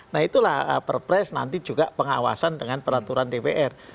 nah itulah perpres nanti juga pengawasan dengan peraturan dpr